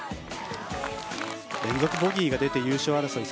連続ボギーが出て優勝争い